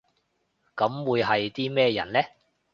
噉會係啲咩人呢？